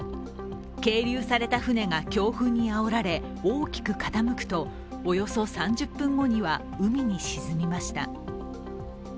係留された船が強風にあおられ、大きく傾くとおよそ３０分後には海に沈みました。